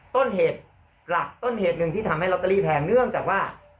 ต้นเหตุหลักต้นเหตุหนึ่งที่ทำให้ลอตเตอรี่แพงเนื่องจากว่า